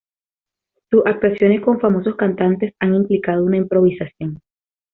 Sus actuaciones con famosos cantantes, han implicado una improvisación.